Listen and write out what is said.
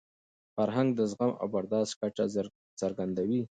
فرهنګ د زغم او برداشت کچه څرګندوي.